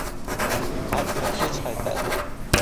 Har kuni kech qaytadi.